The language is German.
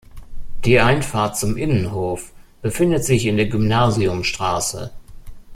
Die Einfahrt zum Innenhof befindet sich in der Gymnasiumstraße.